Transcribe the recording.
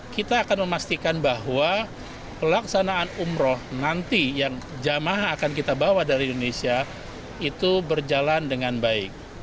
kita akan memastikan bahwa pelaksanaan umroh nanti yang jamaah akan kita bawa dari indonesia itu berjalan dengan baik